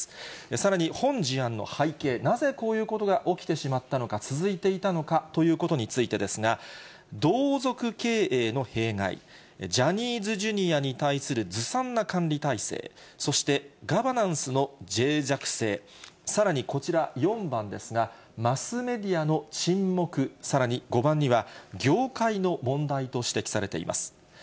さらに、本事案の背景、なぜこういうことが起きてしまったのか、続いていたのかということについてですが、同族経営の弊害、ジャニーズＪｒ．に対するずさんな管理体制、そして、ガバナンスのぜい弱性、さらにこちら、４番ですが、マスメディアの沈黙、さらに５番には、業界の問題と指摘されています。